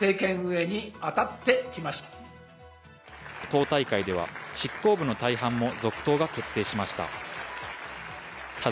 党大会では執行部の大半も続投が決定しました。